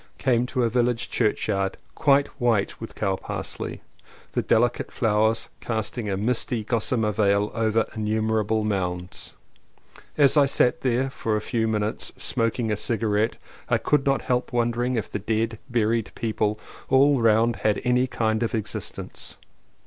Came to a village churchyard quite white with cows parsley, the delicate flowers casting a misty gossamer veil over innumerable mounds. As I sat there for a few minutes smoking a cigarette I could not help wondering if the dead, buried people all round had any kind of existence.